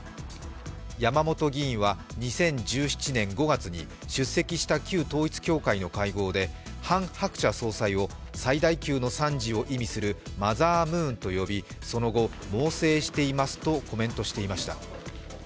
山本議員は２０１７年５月に出席した旧統一教会の会合でハン・ハクチャ総裁を最大級の賛辞を意味するマザームーンと呼び、その後、猛省していますとコメントしていました。